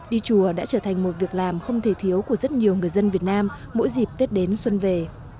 đi chùa đã trở thành một việc làm không thể thiếu của rất nhiều người dân việt nam mỗi dịp tết đến xuân về